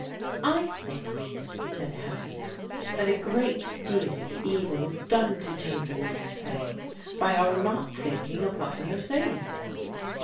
"I think," said Helen, "that a great deal of evil is done to children in this way, by our not thinking of what we are saying."